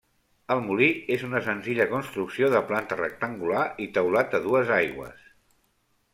El molí és una senzilla construcció de planta rectangular i teulat a dues aigües.